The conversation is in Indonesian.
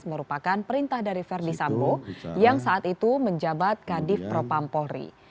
merupakan perintah dari verdi sambo yang saat itu menjabat kadif propam polri